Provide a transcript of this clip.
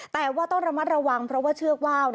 แต่ว่าต้องระมัดระวังเพราะว่าเชือกว่าว